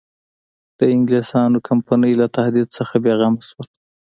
د انګلیسیانو کمپنۍ له تهدید څخه بېغمه شول.